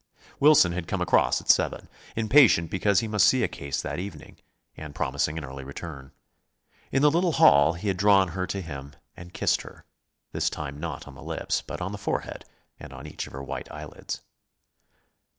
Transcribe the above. Wilson had come across at seven, impatient because he must see a case that evening, and promising an early return. In the little hall he had drawn her to him and kissed her, this time not on the lips, but on the forehead and on each of her white eyelids.